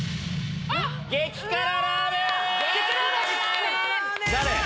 激辛ラーメン！